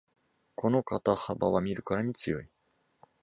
この肩幅は見るからに強い